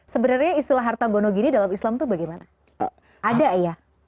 sebenarnya istilah harta gonogiri dalam islam itu bagaimana ada ya